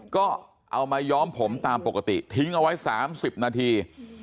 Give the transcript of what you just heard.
ก็เอามาย้อมผมตามปกติทิ้งเอาไว้๓๐นาที